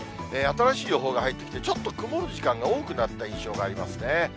新しい情報が入ってきて、ちょっと曇る時間が多くなった印象がありますね。